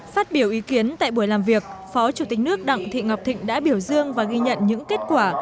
phát biểu ý kiến tại buổi làm việc phó chủ tịch nước đặng thị ngọc thịnh đã biểu dương và ghi nhận những kết quả